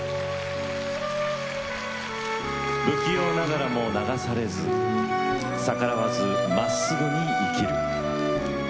不器用ながらも流されず逆らわず、まっすぐに生きる。